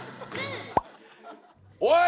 おい！